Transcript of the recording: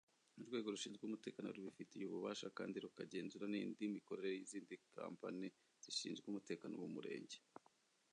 Urwego rushinzwe umutekano rubifitiye ububasha kandi rukagenzura nindi mikorere yizindi kampani zishinzwe umutekano mu murenge.